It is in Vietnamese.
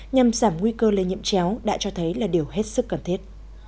nhằm giảm nguy cơ lây nhiễm chéo đã cho thấy là điều hết sức cần thiết